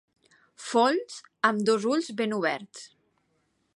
Folls amb dos ulls ben oberts.